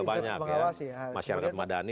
mengawasi masyarakat madani